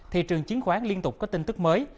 thị trường chứng khoán liên tục có tin tức mới